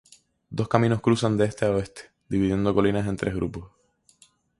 Dos caminos cruzan de este a oeste, dividiendo las colinas en tres grupos.